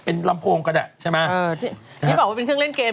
เป็นลำโพงก็ได้ใช่ไหมเออที่บอกว่าเป็นเครื่องเล่นเกม